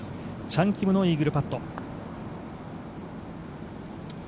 チャン・キムのイーグルパット。